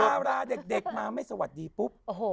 ดาราเด็กมาไม่สวัสดีปุ๊บ